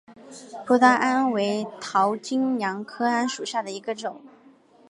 葡萄桉为桃金娘科桉属下的一个种。